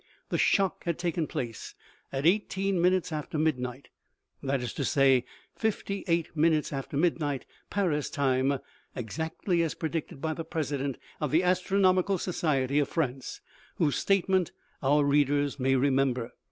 The shock had taken place at eighteen minutes after midnight ; that is to say, fifty eight minutes after midnight, Paris time, exactly as predicted by the president of the Astronomical society of France, whose statement our readers may remember.